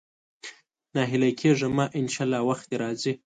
ناهيلی کېږه مه، ان شاءالله وخت دې راځي.